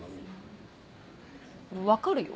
分かるよ。